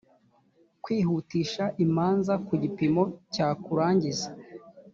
kwihutisha imanza ku gipimo cya kurangiza